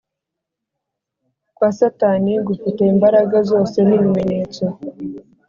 Kwa satani gufite imbaraga zose n ibimenyetso